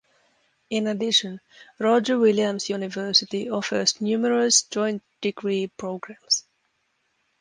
In addition, Roger Williams University offers numerous joint degree programs.